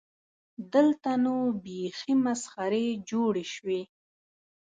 دلته نو بیخي مسخرې جوړې شوې.